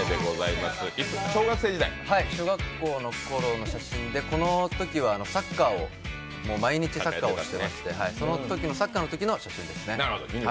小学校のころの写真で、このときは毎日、サッカーをしてましてサッカーのときの写真です。